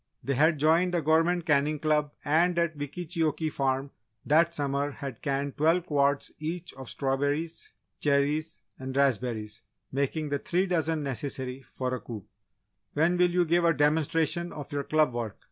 They had joined a Government Canning Club and at Wickeecheokee Farm that summer had canned twelve quarts each of strawberries, cherries and raspberries, making the three dozen necessary for a coup. "When will you give a demonstration of your club work?